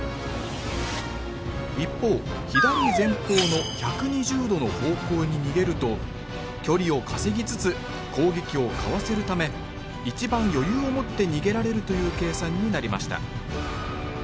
一方左前方の１２０度の方向に逃げると距離を稼ぎつつ攻撃をかわせるため一番余裕を持って逃げられるという計算になりました。